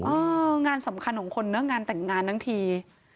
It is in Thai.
งานสำคัญของคนเนอะงานแต่งงานทั้งที